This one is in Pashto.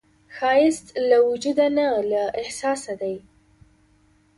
ښایست له وجوده نه، له احساسه دی